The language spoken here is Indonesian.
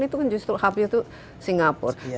itu kan justru hampir itu singapura